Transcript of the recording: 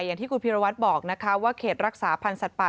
เมื่อคุณภีรวัตรปูดไปว่าเขตรักษาพันธุ์สัตว์ป่า